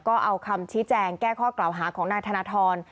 ก็เอาคำชี้แจงแก้ข้อกล่าวหาของนายธนทร